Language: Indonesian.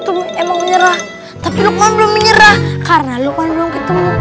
tuh emang menyerah tapi lukman belum menyerah karena lu kan belum ketemu